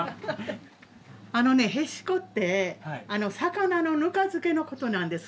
あのねへしこって魚のぬか漬けのことなんです。